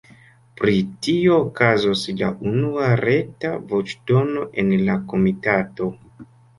Pri tio okazos la unua reta voĉdono en la komitato.